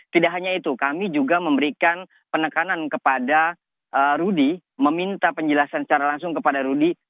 tidak hanya itu kami juga memberikan penekanan kepada rudy meminta penjelasan secara langsung kepada rudy